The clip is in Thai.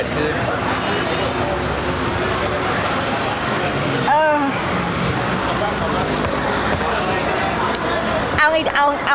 พี่ตอบได้แค่นี้จริงค่ะ